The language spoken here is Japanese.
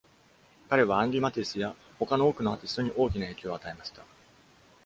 彼はアンリマティスや他の多くのアーティストに大きな影響を与えました。